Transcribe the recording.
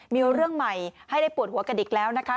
มีเรื่องใหม่ให้ได้ปวดหัวกันอีกแล้วนะคะ